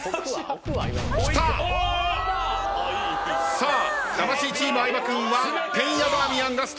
さあ魂チーム相葉君はてんやバーミヤンガスト。